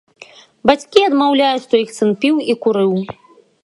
Бацькі адмаўляюць, што іх сын піў і курыў.